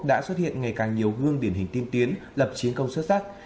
đã xuất hiện ngày càng nhiều gương điển hình tiên tiến lập chiến công xuất sắc